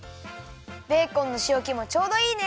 ベーコンのしおけもちょうどいいね！